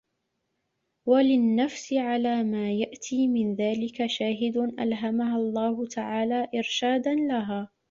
وَلِلنَّفْسِ عَلَى مَا يَأْتِي مِنْ ذَلِكَ شَاهِدٌ أَلْهَمَهَا اللَّهُ تَعَالَى إرْشَادًا لَهَا